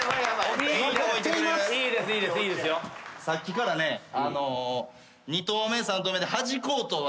さっきからね。